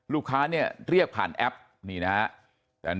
ลูกค้าเนี่ยเรียกผ่านแอปนี่นะครับ